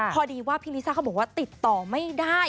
พอดีว่าพี่ลิซ่าเขาบอกว่าติดต่อไม่ได้